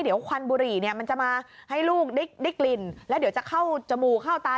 เดี๋ยวควันบุหรี่เนี่ยมันจะมาให้ลูกได้กลิ่นแล้วเดี๋ยวจะเข้าจมูกเข้าตา